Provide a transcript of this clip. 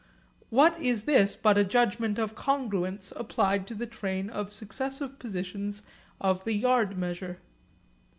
What is this but a judgment of congruence applied to the train of successive positions of the yard measure?